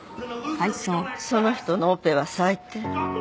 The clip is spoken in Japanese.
その人のオペは最低